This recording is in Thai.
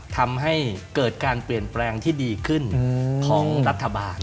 ทำให้เกิดการเปลี่ยนแปลงที่ดีขึ้นของรัฐบาล